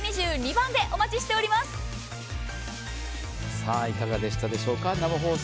さあ、いかがでしたでしょうか、生放送。